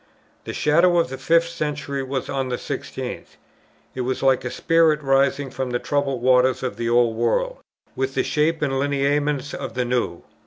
The shadow of the fifth century was on the sixteenth. It was like a spirit rising from the troubled waters of the old world, with the shape and lineaments of the new.